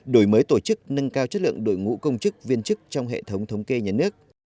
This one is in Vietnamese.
đổi mới tổ chức nâng cao chất lượng đội ngũ công chức viên chức trong hệ thống thống kê nhà nước